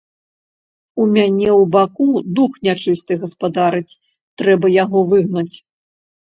У мяне ў баку дух нячысты гаспадарыць, трэба яго выгнаць.